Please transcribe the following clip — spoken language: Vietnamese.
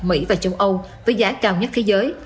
mỹ và châu âu với giá cao nhất thế giới